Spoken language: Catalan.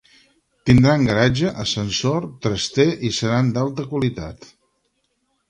Tindran garatge, ascensor, traster, i seran d'alta qualitat.